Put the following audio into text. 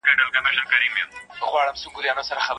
د خپلې ذمې پوره کول د ایمان نښه ده.